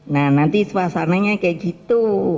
nah nanti suasananya kayak gitu